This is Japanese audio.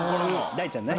大ちゃんね。